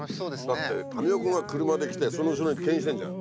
だって民生君が車で来てその後ろにけん引してんじゃん。